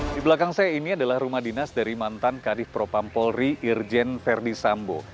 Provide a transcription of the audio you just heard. di belakang saya ini adalah rumah dinas dari mantan kadif propam polri irjen verdi sambo